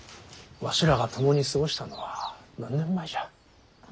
わしらが共に過ごしたのは何年前じゃ。